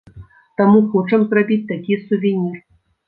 Таму хочам зрабіць такі сувенір.